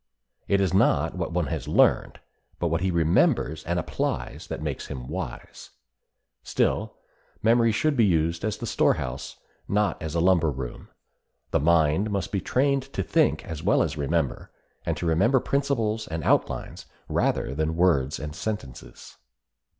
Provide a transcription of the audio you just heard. It is not what one has learned, but what he remembers and applies that makes him wise. Still memory should be used as the storehouse, not as a lumber room. The mind must be trained to think as well as remember, and to remember principles and outlines rather than words and sentences.